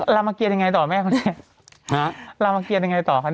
รามเกียรติยังไงต่อแม่ของเจ๊รามเกียรติยังไงต่อของเจ๊